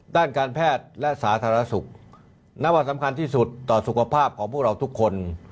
ด้านการแพทย์และสาธารณสุขนับว่าสำคัญที่สุดต่อสุขภาพของพวกเราทุกคน